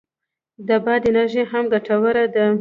د باد انرژي هم ګټوره ده